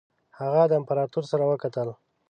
هغه د امپراطور سره وکتل.